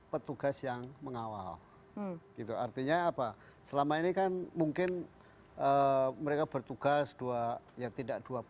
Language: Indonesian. petugas yang mengawal artinya apa selama ini kan mungkin mereka bertugas dua ya tidak dua puluh empat